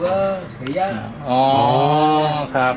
อ๋อค่ะครับอ๋อ